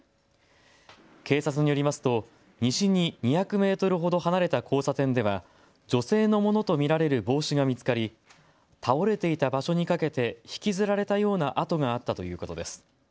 警察によりますと西に２００メートルほど離れた交差点では女性のものと見られる帽子が見つかり倒れていた場所にかけて引きずられたような跡があったということです。